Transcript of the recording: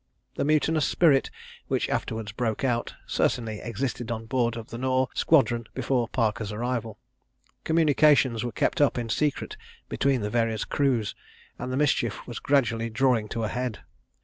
The mutinous spirit which afterwards broke out, certainly existed on board of the Nore squadron before Parker's arrival. Communications were kept up in secret between the various crews, and the mischief was gradually drawing to a head.